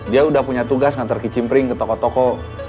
dia udah punya tugas ngantar kicimpring ke toko toko